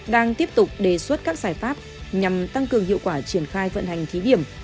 đang tiếp tục đề xuất các giải pháp nhằm tăng cường hiệu quả triển khai vận hành thí điểm